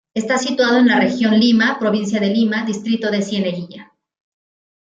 Está situado en la Región Lima, provincia de Lima, Distrito de Cieneguilla.